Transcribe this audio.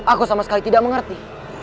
aku sama sekali tidak mengerti